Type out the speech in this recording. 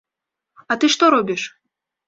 А ты што робіш?